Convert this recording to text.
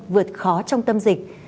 vượt khó trong tâm dịch